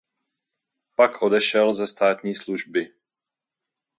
Pak odešel ze státní služby.